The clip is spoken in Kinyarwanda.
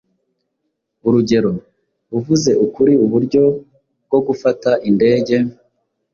Urugero “Uvuze ukuriuburyo bwo gufata indege